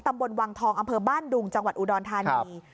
ตำบลวังทองอำเภอบ้านดุงจังหวัดอุดรธานี